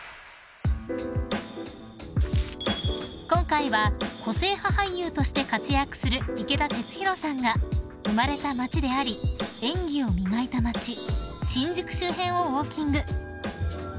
［今回は個性派俳優として活躍する池田鉄洋さんが生まれた街であり演技を磨いた街新宿周辺をウオーキング］